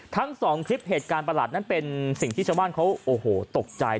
ทั้งสองคลิปเหตุการณ์ประหลาดนั้นเป็นสิ่งที่ชาวบ้านเขาโอ้โหตกใจ